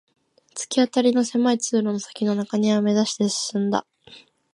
突き当たりの狭い通路の先の中庭を目指して進んだ